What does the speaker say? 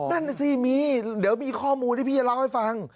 นั่นน่ะสิมีเดี๋ยวมีข้อมูลที่พี่จะเล่าให้ฟัง